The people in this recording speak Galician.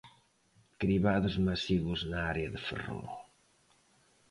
Cribados masivos na área de Ferrol.